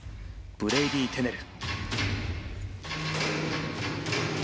ブレイディー・テネル。